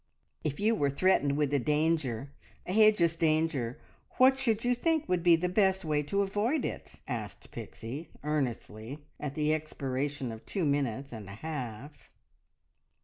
"If you were threatened with a danger a hidjus danger what should you think would be the best way to avoid it?" asked Pixie earnestly, at the expiration of two minutes and a half.